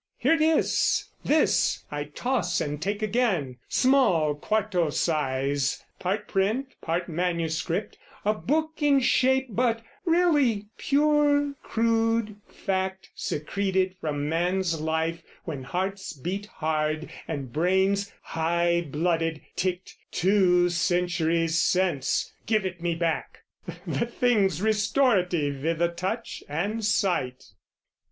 Here it is, this I toss and take again; Small quarto size, part print part manuscript: A book in shape but, really, pure crude fact Secreted from man's life when hearts beat hard, And brains, high blooded, ticked two centuries since. Give it me back! The thing's restorative I' the touch and sight.